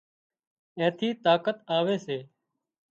اين ٿي طاقت آوي سي